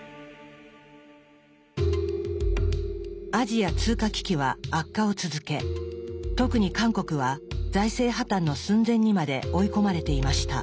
アジア通貨危機は悪化を続け特に韓国は財政破綻の寸前にまで追い込まれていました。